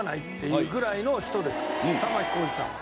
玉置浩二さんは。